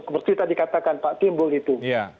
seperti tadi katakan pak timbul itu